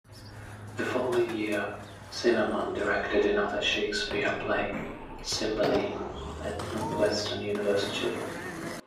The following year, Zimmerman directed another Shakespeare play, "Cymbeline", at Northwestern University.